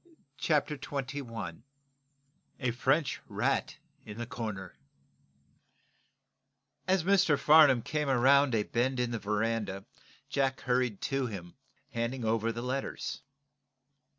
CHAPTER XXI A FRENCH RAT IN THE CORNER As Mr. Farnum came around a bend in the veranda Jack hurried to him, handing over the letters.